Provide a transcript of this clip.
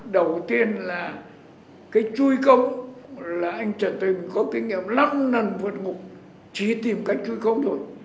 đầu tiên là cái chui công là anh trần tây có kinh nghiệm lắm lần vượt ngục chỉ tìm cách chui công rồi